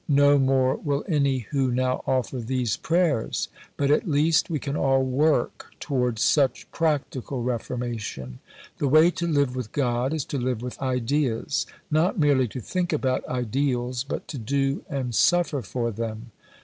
No more will any who now offer these prayers. But at least we can all work towards such practical "reformation." The way to live with God is to live with Ideas not merely to think about ideals, but to do and suffer for them.